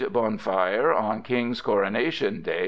Boonfire on King's Coronation Day